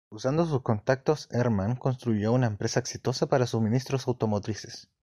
Usando sus contactos, Herrmann construyó una empresa exitosa para suministros automotrices.